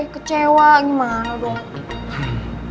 kecewa gimana dong